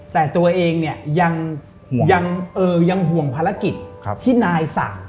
แต่ตัวเองเนี่ยยังห่วงภารกิจที่นายสั่ง